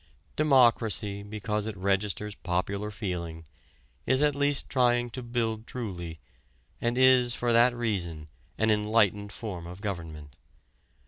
Democracy, because it registers popular feeling, is at least trying to build truly, and is for that reason an enlightened form of government.